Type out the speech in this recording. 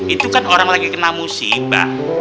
itu kan orang lagi kena musibah